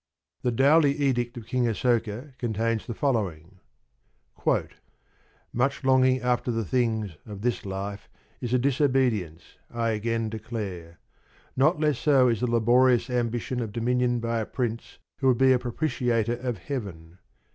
The Dhauli Edict of King Asoka contains the following: Much longing after the things [of this life] is a disobedience, I again declare; not less so is the laborious ambition of dominion by a prince who would be a propitiator of Heaven.